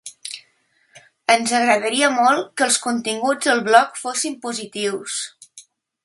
Ens agradaria molt que els continguts del blog fossin positius.